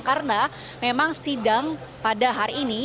karena memang sidang pada hari ini